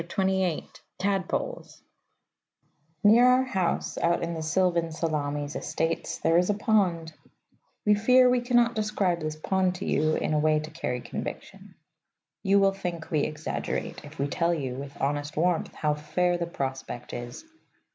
TADPOLES Near our house, out in the sylvan Salamis Estates, there is a pond. We fear we cannot describe this pond to you in a way to carry conviction. You will think we exaggerate if we tell you, with honest warmth, how fair the prospect is.